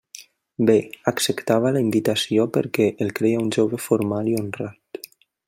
Bé; acceptava la invitació, perquè el creia un jove formal i honrat.